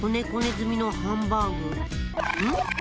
済みのハンバーグん？